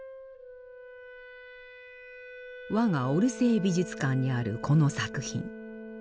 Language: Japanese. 我がオルセー美術館にあるこの作品。